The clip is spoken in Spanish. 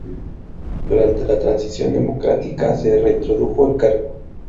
Durante la transición democrática se reintrodujo el cargo.